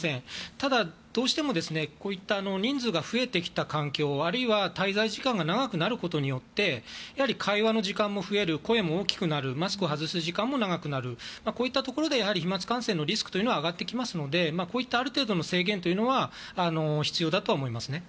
ただ、どうしてもこういった人数が増えてきた環境あるいは滞在時間が長くなることによって会話の時間も増える声も大きくなるマスクを外す時間も長くなるといったところでやはり飛沫感染のリスクは上がってきますのでこういったある程度の制限は必要だとは思いますね。